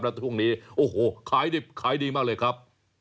แล้วช่วงนี้โอ้โหขายดิบขายดีมากเลยครับ